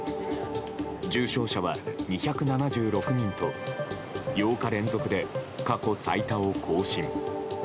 重症者は２７６人と８日連続で過去最多を更新。